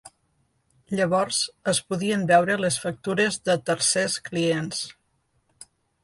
Llavors es podien veure les factures de tercers clients.